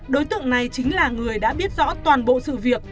đối tượng này chính là người đã biết rõ toàn bộ sự việc